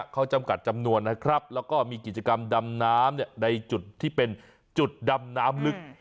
เขาจำกัดจำนวนนะครับแล้วก็มีกิจกรรมดำน้ำในจุดที่เป็นจุดดำน้ำลึก